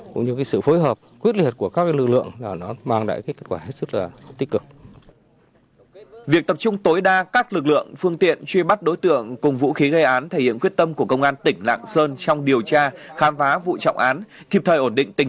cũng như sự phối hợp quyết liệt của các lực lượng là nó mang lại kỹ thức của hàn hàng